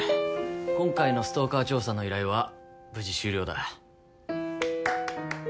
今回のストーカー調査の依頼は無事終了だ。